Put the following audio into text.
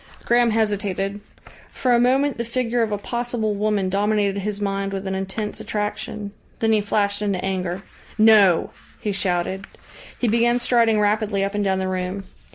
Graham hesitated. For a moment the figure of a possible woman dominated his mind with an intense attraction. Then he flashed into anger. "No!" he shouted. He began striding rapidly up and down the room.